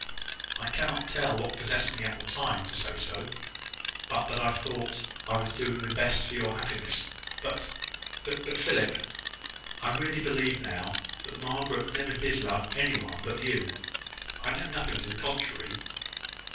"I cannot tell what possessed me at the time to say so, but that I thought I was doing the best for your happiness but but, Philip, I really believe now, that Margaret never did love any one but you. I know nothing to the contrary."